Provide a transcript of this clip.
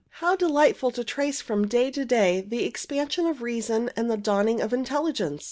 How delightful to trace from day to day the expansion of reason and the dawnings of intelligence!